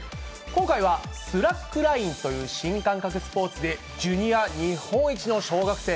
今回はスラックラインという新感覚スポーツでジュニア日本一の小学生。